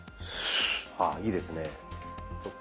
あいいですね。